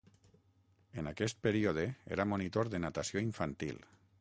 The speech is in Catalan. En aquest període era monitor de natació infantil.